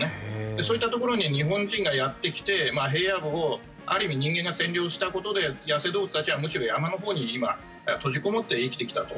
そういったところに日本人がやってきて平野部を、ある意味人間が占領したことで野生動物たちはむしろ山のほうに今、閉じこもって生きてきたと。